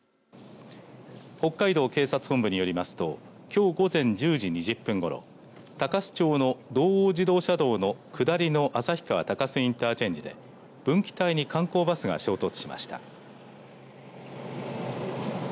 北海道警察本部によりますときょう午前１０時２０分ごろ鷹栖町の道央自動車道の下りの旭川鷹栖インターチェンジで分岐帯に観光バスが衝突しました。